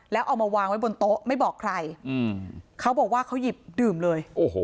แล้วเอามาวางไว้บนโต๊ะไม่บอกใครเขาบอกว่าเขาหยิบดื่มเลย